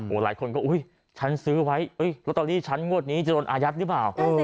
หลายคนก็อุ๊ยฉันซื้อไว้ลอตเตอรี่ฉันงวดนี้จะโดนอายัดหรือเปล่า